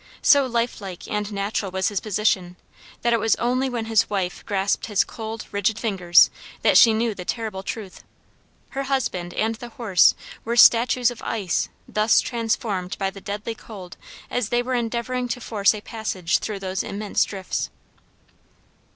So lifelike and natural was his position that it was only when his wife grasped his cold rigid fingers that she knew the terrible truth. Her husband and the horse were statues of ice thus transformed by the deadly cold as they were endeavoring to force a passage through those immense drifts.